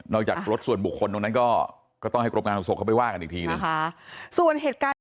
นอกจากรถส่วนบุคคลตรงนั้นก็ก็ต้องให้กรบงานส่วนทั้งหมดเข้าไปว่ากันอีกทีเลย